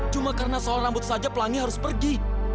cuma karena soal rambut saja pelangi harus pergi